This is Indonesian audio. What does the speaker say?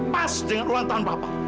pas dengan ruang tahan papa